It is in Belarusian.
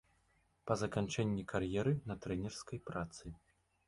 Па заканчэнні кар'еры на трэнерскай працы.